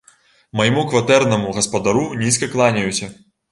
Майму кватэрнаму гаспадару нізка кланяюся!